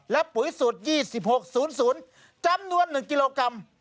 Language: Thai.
และปุ๋ยสุด๒๖๐๐จำนวน๑กิโลกรัม